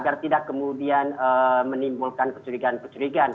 agar tidak kemudian menimbulkan kecurigaan kecurigaan